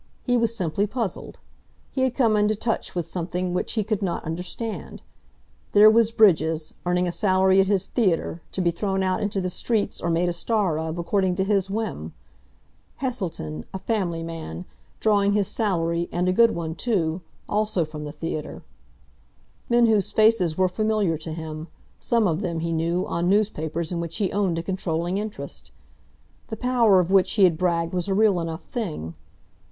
He was simply puzzled. He had come into touch with something which he could not understand. There was Bridges, earning a salary at his theatre, to be thrown out into the streets or made a star of, according to his whim; Heselton, a family man, drawing his salary, and a good one, too, also from the theatre; men whose faces were familiar to him some of them, he knew, on newspapers in which he owned a controlling interest. The power of which he had bragged was a real enough thing.